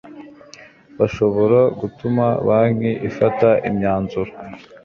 bashobora gutuma banki ifata imyanzuro